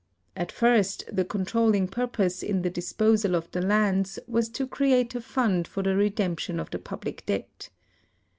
At first the controlling purpose in the disposal of the lands was to create a fund for the redemp tion of the public debt.